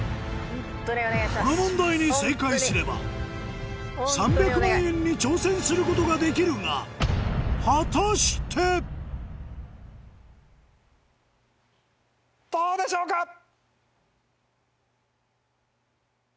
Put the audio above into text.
この問題に正解すれば３００万円に挑戦することができるが果たして⁉どうでしょうか？